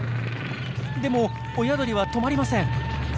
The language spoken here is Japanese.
でも親鳥は止まりません。